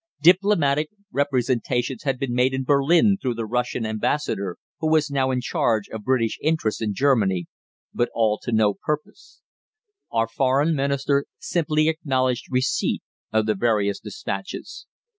Diplomatic representations had been made in Berlin through the Russian Ambassador, who was now in charge of British interests in Germany, but all to no purpose. Our Foreign Minister simply acknowledged receipt of the various despatches.